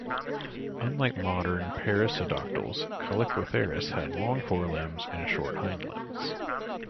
Unlike modern perissodactyls, chalicotheres had long forelimbs and short hind limbs.